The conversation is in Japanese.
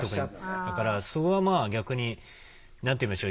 だからそれはまあ何て言いましょう。